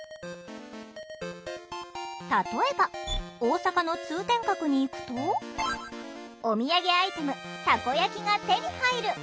例えば大阪の通天閣に行くとおみやげアイテム「たこやき」が手に入る。